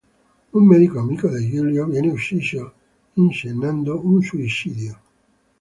Un medico amico di Giulio viene ucciso inscenando un suicidio.